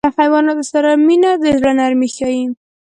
له حیواناتو سره مینه د زړه نرمي ښيي.